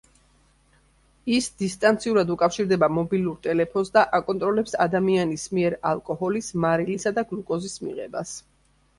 ის დისტანციურად უკავშირდება მობილურ ტელეფონს და აკონტროლებს ადამიანის მიერ ალკოჰოლის, მარილისა და გლუკოზის მიღებას.